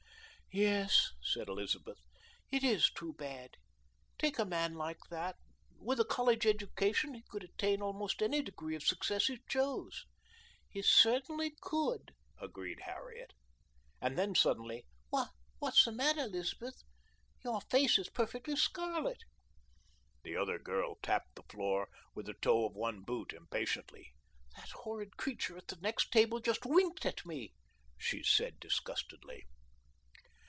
"Yes," said Elizabeth, "it is too bad. Take a man like that; with a college education he could attain almost any decree of success he chose." "He certainly could," agreed Harriet; and then suddenly: "Why, what's the matter, Elizabeth? Your face is perfectly scarlet." The other girl tapped the floor with the toe of one boot impatiently. "That horrid creature at the next table just winked at me," she said disgustedly.